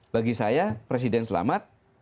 bagi saya presiden selamat